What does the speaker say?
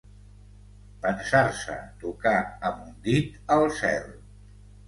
Pensar-se tocar amb un dit al cel.